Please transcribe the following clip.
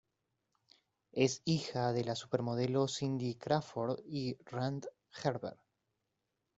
Es hija de la supermodelo Cindy Crawford y Rande Gerber.